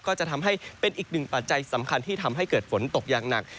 ก็จะทำให้เป็นอีกหนึ่งปัจจัยสำคัญที่ทำให้เกิดฝนตกอย่างหนัก